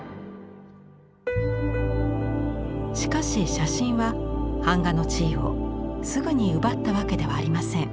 しかし写真は版画の地位をすぐに奪ったわけではありません。